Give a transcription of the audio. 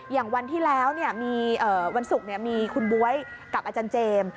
อย่างวันที่แล้ววันศุกร์มีคุณบ๊วยกับอาจารย์เจมส์